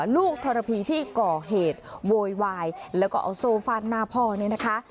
ลูกธรพีที่ก่อเหตุโวยวายแล้วก็เอาโซ่ฟาดหน้าพ่อเนี่ยนะคะ